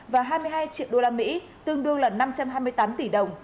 và hai mươi hai triệu usd tương đương là năm trăm hai mươi tám tỷ đồng